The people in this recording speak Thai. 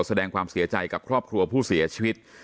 แสดงความเสียใจกับครอบครัวผู้เสียชีวิต